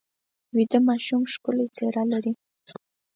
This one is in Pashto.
ویده ماشوم ښکلې څېره لري